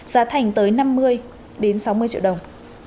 giá thành tới năm mươi sáu mươi triệu đồng